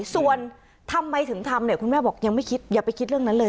ส่วนทำไมถึงทำเนี่ยคุณแม่บอกยังไม่คิดอย่าไปคิดเรื่องนั้นเลย